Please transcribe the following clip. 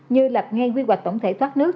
như lập ngay quy hoạch tổng thể thoát nước